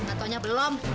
gak taunya belum